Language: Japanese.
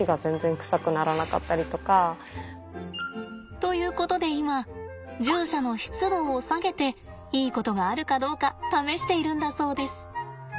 ということで今獣舎の湿度を下げていいことがあるかどうか試しているんだそうです。